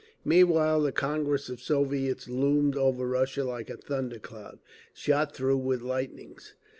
Meanwhile the Congress of Soviets loomed over Russia like a thunder cloud, shot through with lightnings.